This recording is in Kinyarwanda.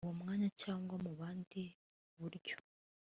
uwo mwanya cyangwa mu bundi buryo